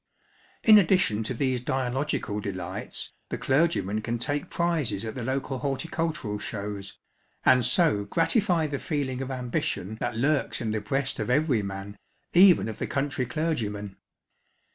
In addition to these dtalogical delights, the clergyman can take prizes at the local horticultural shows, and so gratify the feeling of ambition that lurks in the breast of every man, even of the country clergyman.